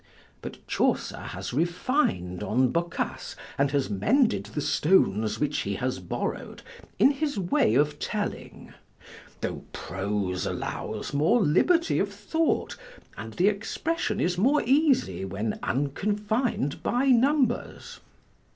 But Chaucer has refin'd on Boccace, and has mended the stones which he has borrowed, in his way of telling; tho' prose allows more liberty of thought, and the expression is more easy when unconfin'd by numbers.